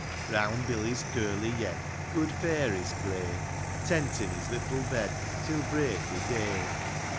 Round Billy's curly yed, Good fairies play ; Tentin' his little bed, Till break o' day.